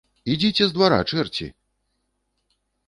Ідзіце з двара, чэрці!